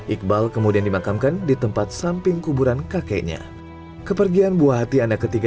iqbal kemudian dimakamkan di tempat samping kuburan kakeknya kepergian buah hati anak ketiga